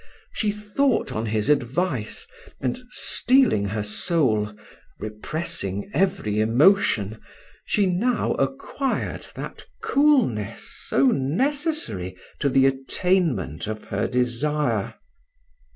She thought on his advice, and steeling her soul, repressing every emotion, she now acquired that coolness so necessary to the attainment of her desire.